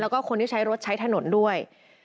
แล้วก็คนที่ใช้รถใช้ถนนด้วย